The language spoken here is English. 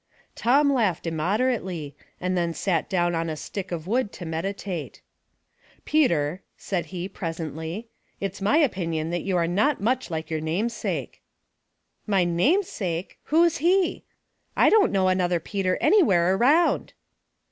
Tom laughed immoderately, and then sat down on a stick of wood to meditate. *' Peter," said he, presently, "it's my opinion that you are not much like your namesake." " My namesake ! Who is he ? 1 don't know another Peter anywhere around."